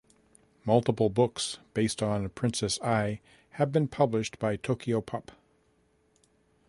Multiple books based on "Princess Ai" have been published by Tokyopop.